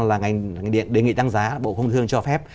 là ngành điện đề nghị tăng giá bộ công thương cho phép